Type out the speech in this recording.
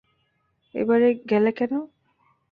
এবারে গেলে কেন।